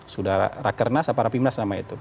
sudah rakernas apa rapimnas nama itu